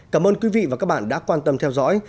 cảm ơn quý vị và các bạn đã quan tâm theo dõi